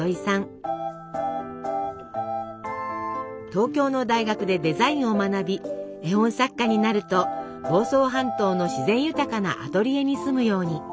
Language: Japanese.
東京の大学でデザインを学び絵本作家になると房総半島の自然豊かなアトリエに住むように。